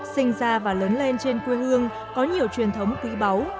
sinh ra và lớn lên trên quê hương có nhiều truyền thống quý báu